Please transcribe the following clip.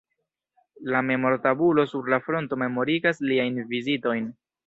La memor-tabulo sur la fronto memorigas liajn vizitojn.